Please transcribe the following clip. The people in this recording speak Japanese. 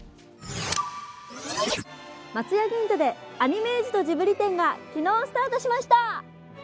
松屋銀座で「アニメージュとジブリ展」が昨日スタートしました。